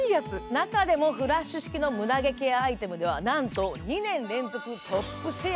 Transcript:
中でもフラッシュ式ムダ毛ケアアイテムではなんと２年連続トップシェア！